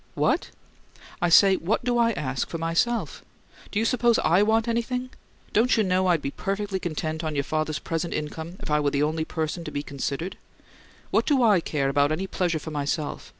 "What?" "I say, What do I ask for myself? Do you suppose I want anything? Don't you know I'd be perfectly content on your father's present income if I were the only person to be considered? What do I care about any pleasure for myself?